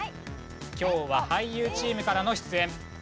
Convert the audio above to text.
今日は俳優チームからの出演。